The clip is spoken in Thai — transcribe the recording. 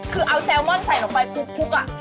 คือเอาแซลมอนใส่ลงไปคลุก